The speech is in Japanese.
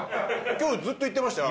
きょうずっと言ってましたよ